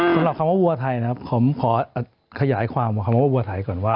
สำหรับคำว่าวัวไทยนะครับผมขอขยายความคำว่าวัวไทยก่อนว่า